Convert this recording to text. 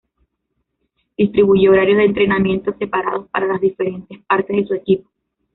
Distribuye horarios de entrenamiento separados para las diferentes partes de su equipo.